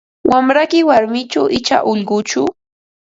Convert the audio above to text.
Wamrayki warmichu icha ullquchu?